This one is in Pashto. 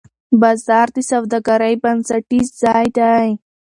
بازار د سوداګرۍ بنسټیز ځای دی.